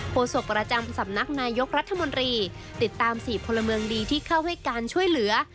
โศกประจำสำนักนายกรัฐมนตรีติดตาม๔พลเมืองดีที่เข้าให้การช่วยเหลือ